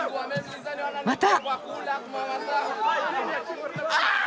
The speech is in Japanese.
また！